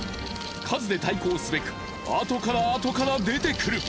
数で対抗すべく後から後から出てくる。